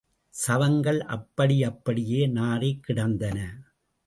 சவங்கள் அப்படியப்படியே நாறிக் கிடந்தன.